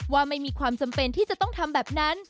ว่าไม่มีความจำเป็นที่จะต้องทำแบบนั้น